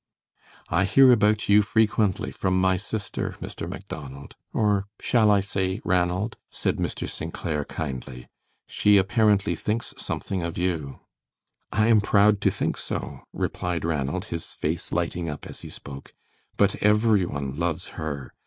"I hear about you frequently from my sister, Mr. Macdonald or shall I say Ranald?" said Mr. St. Clair, kindly. "She apparently thinks something of you." "I am proud to think so," replied Ranald, his face lighting up as he spoke; "but every one loves her.